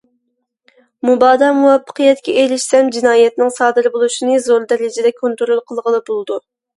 مۇبادا مۇۋەپپەقىيەتكە ئېرىشسەم جىنايەتنىڭ سادىر بولۇشىنى زور دەرىجىدە كونترول قىلغىلى بولىدۇ.